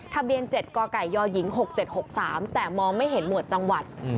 ทะเบียน๗กกยหญิง๖๗๖๓แต่มองไม่เห็นหมวดจังหวัด